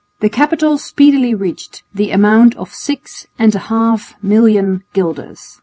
The capital speedily reached the amount of six and a half million guilders.